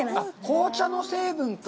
紅茶の成分かぁ。